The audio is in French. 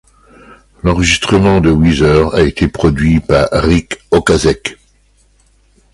L'enregistrement de Weezer a été produit par Ric Ocasek.